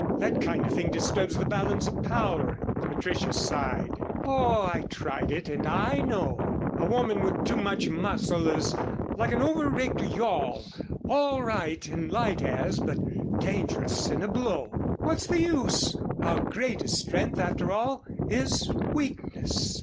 That kind of thing disturbs the balance of power." Patricia sighed "Oh, I tried it and I know. A woman with too much muscle is like an over rigged yawl all right in light airs, but dangerous in a blow. What's the use? Our greatest strength after all, is weakness."